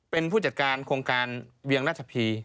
เป็นผู้จัดการโครงการเวียงราชพี